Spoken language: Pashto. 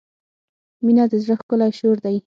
• مینه د زړۀ ښکلی شور دی.